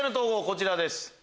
こちらです。